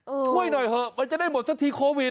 ช่วยหน่อยเถอะมันจะได้หมดสักทีโควิด